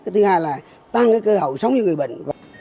thứ hai là tăng cơ hội sống cho người bệnh